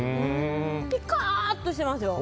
ピカーッとしてますよ。